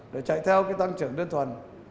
để chạy theo tăng trưởng đơn thuần